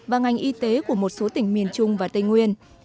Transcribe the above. và ngành y tế của một số tỉnh miền trung và tây nguyên